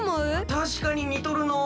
たしかににとるのう。